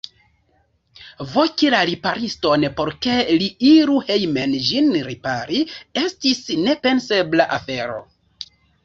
Voki la ripariston, por ke li iru hejmen ĝin ripari, estis nepensebla afero.